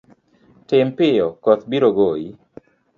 Tim piyo koth biro goyi.